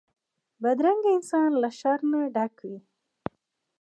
بدرنګه انسان له شر نه ډک وي